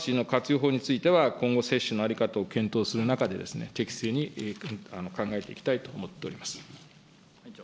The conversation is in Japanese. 法については、今後、接種の在り方を検討する中で、適正に考えていきたいと思っております。